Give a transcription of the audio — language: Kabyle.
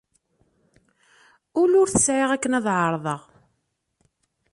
Ul ur t-sɛiɣ akken ad ɛerḍeɣ.